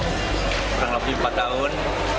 saya berhenti berhenti empat tahun